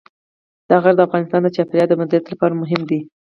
دا غر د افغانستان د چاپیریال د مدیریت لپاره مهم دی.